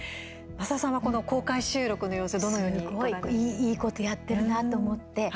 増田さんはこの公開収録の様子どのようにご覧になりましたか。いいことやってるなと思って。